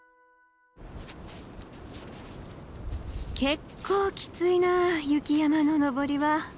結構きついなあ雪山の登りは。